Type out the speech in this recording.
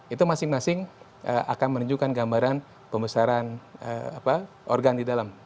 itu masing masing akan menunjukkan gambaran pembesaran organ di dalam